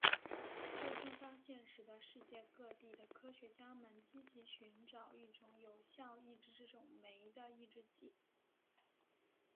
这项发现使得世界各地的科学家们积极寻找一种有效抑制这种酶的抑制剂。